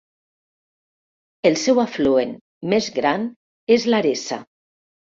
El seu afluent més gran és l'Aresa.